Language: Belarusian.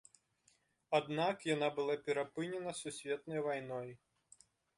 Аднак яна была перапынена сусветнай вайной.